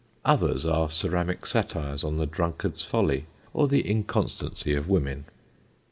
Others are ceramic satires on the drunkard's folly or the inconstancy of women.